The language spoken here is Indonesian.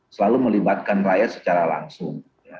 selalu melibatkan rakyat secara langsung